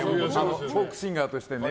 フォークシンガーとして。